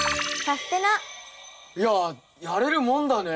いややれるもんだね。